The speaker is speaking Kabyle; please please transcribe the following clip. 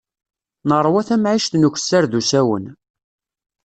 Neṛwa tamɛict n ukessar d usawen.